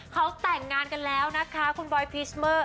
เขาแต่งงานกันแล้วนะคะคุณบอยพีชเมอร์